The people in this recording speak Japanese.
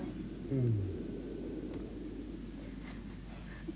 うん。